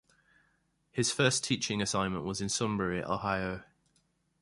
His first teaching assignment was in Sunbury, Ohio.